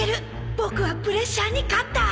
ボクはプレッシャーに勝った！